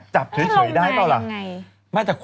จับสวยได้เปล่า